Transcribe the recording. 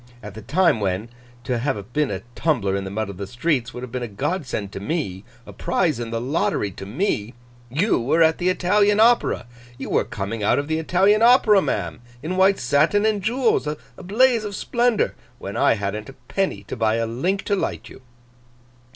At the time when, to have been a tumbler in the mud of the streets, would have been a godsend to me, a prize in the lottery to me, you were at the Italian Opera. You were coming out of the Italian Opera, ma'am, in white satin and jewels, a blaze of splendour, when I hadn't a penny to buy a link to light you.